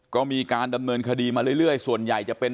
ก็มีการดำเนินคดีมาเรื่อยส่วนใหญ่จะเป็น